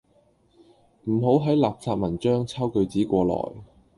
唔好喺垃圾文章抄句子過來